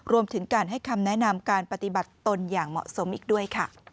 รวมถึงการให้คำแนะนำการปฏิบัติตนอย่างเหมาะสมอีกด้วยค่ะ